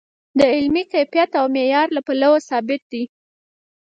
د علمي کیفیت او معیار له پلوه ثابت دی.